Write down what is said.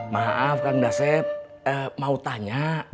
maaf kang dasep mau tanya